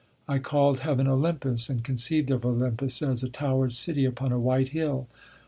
I called Heaven Olympus, and conceived of Olympus as a towered city upon a white hill.